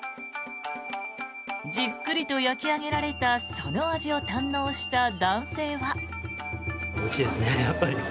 じっくりと焼き上げられたその味を堪能した男性は。